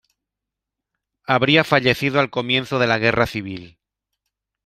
Habría fallecido al comienzo de la guerra civil.